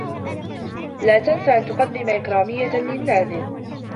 لا تنس أن تقدّم إكراميّة للنّادل.